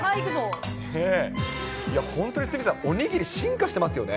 本当に鷲見さん、おにぎり、進化してますよね。